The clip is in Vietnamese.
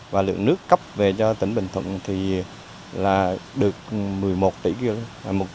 và lượng nước cấp về cho tỉnh bình thuận là được một mươi một tỷ kwh